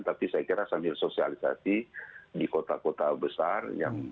tapi saya kira sambil sosialisasi di kota kota besar